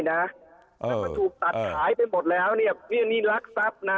แล้วมันถูกตัดขายไปหมดแล้วเนี่ยนี่รักทรัพย์นะ